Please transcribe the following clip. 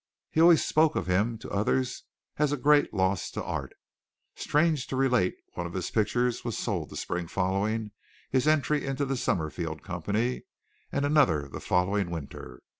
He always spoke of him to others as a great loss to art. Strange to relate, one of his pictures was sold the spring following his entry into the Summerfield Company, and another the following winter.